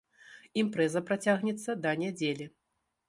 Імпрэза працягнецца да нядзелі.